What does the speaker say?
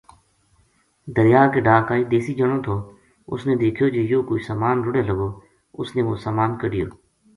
دریا کے ڈھا کائی دیسی جنو تھو اُس نے دیکھیو جے یوہ کوئی سامان رُڑے لگو اُس نے وہ سامان کَڈھیو